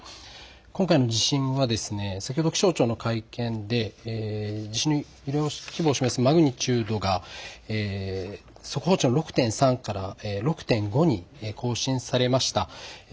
今回の地震は先ほど気象庁の会見で地震の揺れの規模を示すマグニチュードは速報値の６．３から６．５に更新されました。